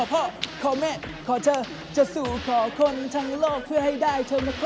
พิเศษเลยใช่ไหม